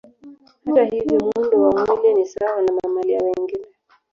Hata hivyo muundo wa mwili ni sawa na mamalia wengine